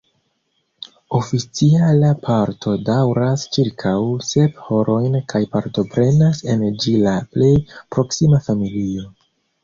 Oficiala parto daŭras ĉirkaŭ sep horojn kaj partoprenas en ĝi la plej proksima familio.